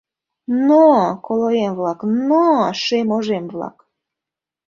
— Н-нно, колоем-влак, н-нно, шем ожем-влак!